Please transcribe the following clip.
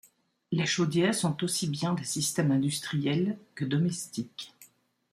Les chaudières sont aussi bien des systèmes industriels que domestiques.